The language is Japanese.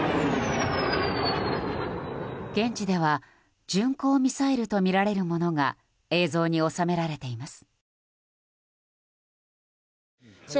現地では巡航ミサイルとみられるものが映像に収められています。